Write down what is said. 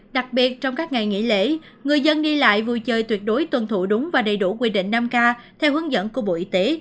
đặc biệt trong các ngày nghỉ lễ người dân đi lại vui chơi tuyệt đối tuân thủ đúng và đầy đủ quy định năm k theo hướng dẫn của bộ y tế